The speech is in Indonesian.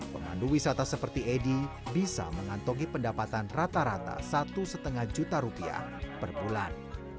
pemandu wisata seperti edi bisa mengantongi pendapatan rata rata satu lima juta rupiah per bulan